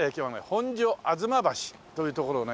本所吾妻橋という所をね